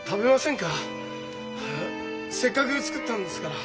せっかく作ったんですから。